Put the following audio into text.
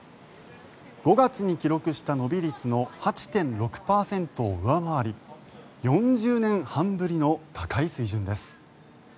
５月に記録した伸び率の８．６％を上回り４０年半ぶりの高い水準です。